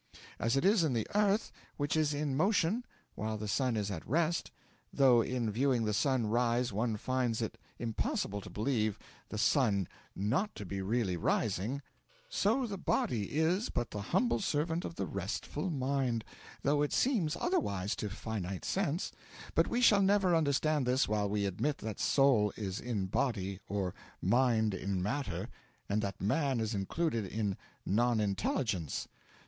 As it is the earth which is in motion, while the sun is at rest, though in viewing the sun rise one finds it impossible to believe the sun not to be really rising, so the body is but the humble servant of the restful Mind, though it seems otherwise to finite sense; but we shall never understand this while we admit that soul is in body, or mind in matter, and that man is included in non intelligence.